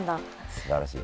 すばらしい。